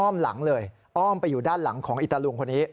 หลังเลยอ้อมไปอยู่ด้านหลังของอิตาลุงคนนี้